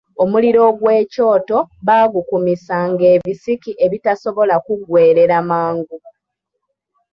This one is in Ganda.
Omuliro ogw’ekyoto baagukumisanga ebisiki ebitasobola kuggwerera mangu.